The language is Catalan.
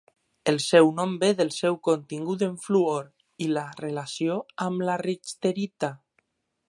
El seu nom ve del seu contingut en fluor i la relació amb la richterita.